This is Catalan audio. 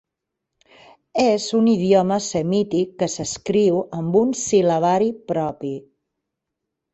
És un idioma semític que s'escriu amb un sil·labari propi.